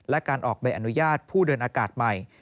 และการออกใบอนุญาตผู้เดินอากาศใหม่